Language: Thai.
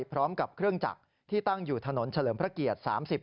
พร้อมกับเครื่องจักรที่ตั้งอยู่ถนนเฉลิมพระเกียรติ๓๐